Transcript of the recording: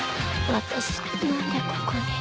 私何でここに？